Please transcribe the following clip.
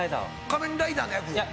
仮面ライダーの役？